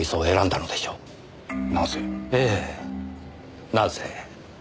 ええなぜ。